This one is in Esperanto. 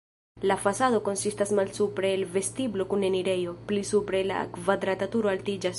La fasado konsistas malsupre el vestiblo kun enirejo, pli supre la kvadrata turo altiĝas.